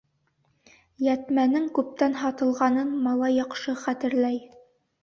Йәтмәнең күптән һатылғанын малай яҡшы хәтерләй.